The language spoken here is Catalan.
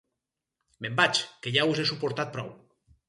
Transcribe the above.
Me'n vaig, que ja us he suportat prou!